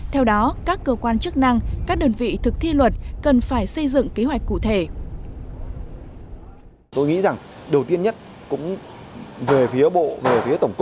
theo đó các cơ quan chức năng các đơn vị thực thi luật cần phải xây dựng kế hoạch cụ thể